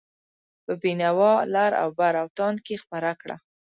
په بینوا، لراوبر او تاند کې خپره کړه.